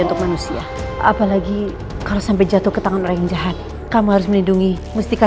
untuk manusia apalagi kalau sampai jatuh ke tangan orang yang jahat kamu harus melindungi mesti